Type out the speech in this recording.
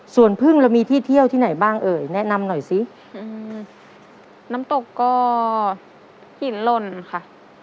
ส่วนพึ่งเรามีที่เที่ยวที่ไหนบ้างเอ่ยแนะนำหน่อยสิอืมน้ำตกก็หินลนค่ะ